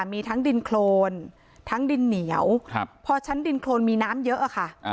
มีทั้งดินโครนทั้งดินเหนียวพอชั้นดินโครนมีน้ำเยอะอะค่ะ